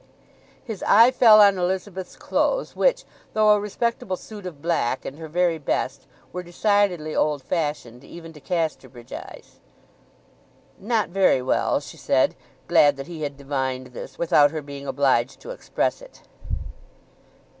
His eye fell on Elizabeth's clothes, which, though a respectable suit of black, and her very best, were decidedly old fashioned even to Casterbridge eyes. "Not very well," she said, glad that he had divined this without her being obliged to express it.